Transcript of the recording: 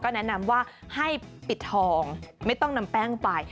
แนะนำว่าให้ปิดทองไม่ต้องนำแป้งไป